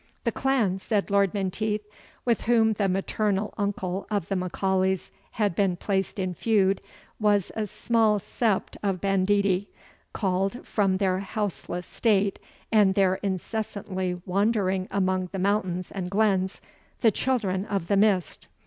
"The clan," said Lord Menteith, "with whom the maternal uncle of the M'Aulays had been placed in feud, was a small sept of banditti, called, from their houseless state, and their incessantly wandering among the mountains and glens, the Children of the Mist.